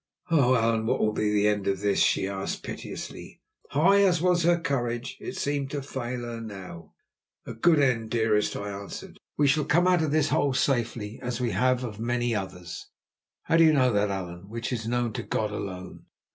"Oh! Allan, what will be the end of this?" she asked piteously. High as was her courage it seemed to fail her now. "A good end, dearest," I answered. "We shall come out of this hole safely, as we have of many others." "How do you know that, Allan, which is known to God alone?"